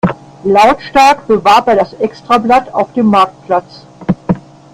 Lautstark bewarb er das Extrablatt auf dem Marktplatz.